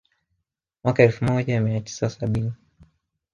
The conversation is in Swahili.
Mwaka elfu moja mia tisa sabini